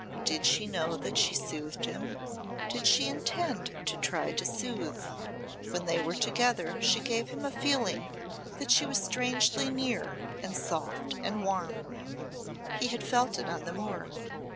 Did she know that she soothed him? Did she intend to try to soothe? When they were together she gave him a feeling that she was strangely near and soft and warm. He had felt it on the moor.